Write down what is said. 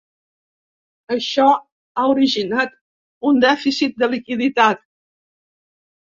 Això ha originat un dèficit de liquiditat.